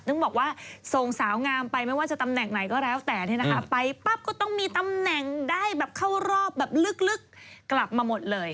ต้องบอกว่าส่งสาวงามไปไม่ว่าจะตำแหน่งไหนก็แล้วแต่เนี่ยนะคะไปปั๊บก็ต้องมีตำแหน่งได้แบบเข้ารอบแบบลึกกลับมาหมดเลย